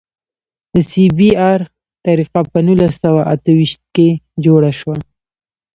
د سی بي ار طریقه په نولس سوه اته ویشت کې جوړه شوه